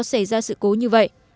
xảy ra sự cố như vậy